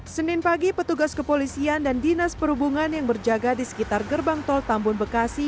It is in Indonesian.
senin pagi petugas kepolisian dan dinas perhubungan yang berjaga di sekitar gerbang tol tambun bekasi